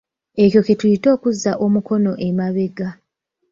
Ekyo kye tuyita okuzza omukono emabega.